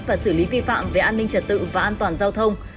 và xử lý vi phạm về an ninh trật tự và an toàn giao thông